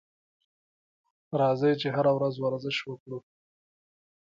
راځئ چې هره ورځ ورزش وکړو.